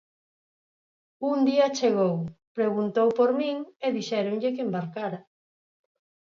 Un día chegou, preguntou por min e dixéronlle que embarcara.